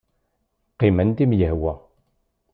Qqim anda i m-yehwa.